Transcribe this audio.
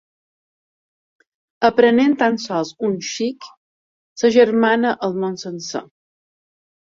Aprenent tan sols un xic s'agermana el món sencer.